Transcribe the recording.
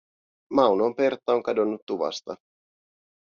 Maunon Pertta on kadonnut tuvasta.